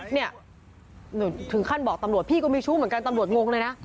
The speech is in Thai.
เนี่ยถึงขั้นบอกตำรวจพี่ก็มีชู้เหมือนกันตำรวจงงเลยนะ